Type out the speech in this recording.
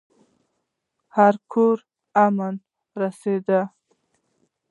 هر کورته امن ور رسېدلی